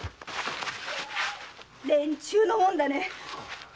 連中のものだね！